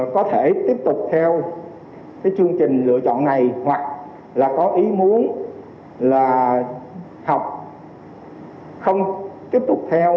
có thể tiếp tục theo cái chương trình lựa chọn này hoặc là có ý muốn là học không tiếp tục theo